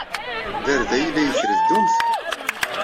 D arday ay la iyi-treddumt?